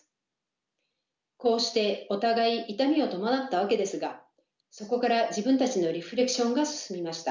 こうしてお互い痛みを伴ったわけですがそこから自分たちのリフレクションが進みました。